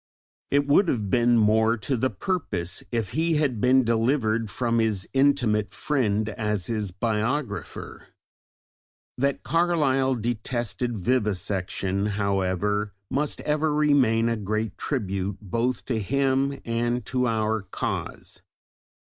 It would have been more to the purpose if he had been delivered from his intimate friend as his biographer! That Carlyle detested vivisection, however, must ever remain a great tribute both to him and to our cause.